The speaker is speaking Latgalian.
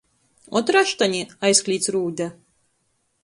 "Ot, raštani!" aizklīdz Rūde.